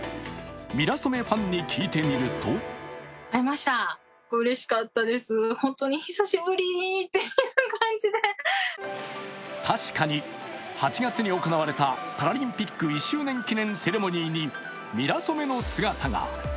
ミラソメファンに聞いてみると確かに８月に行われたパラリンピック１周年記念イベントにミラソメの姿が。